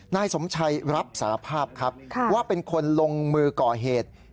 นายสมชัยรับสาภาพครับว่าเป็นคนลงมือก่อเหตุ